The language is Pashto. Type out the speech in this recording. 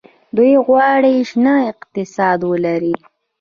دوی غواړي شنه اقتصاد ولري.